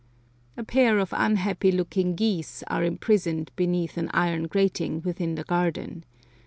A pair of unhappy looking geese are imprisoned beneath an iron grating within the garden.